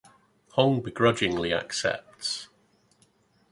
Hong begrudgingly accepts.